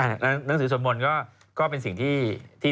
อ่าเหมือนกันหนังสือสวดมณฑ์ก็เป็นสิ่งที่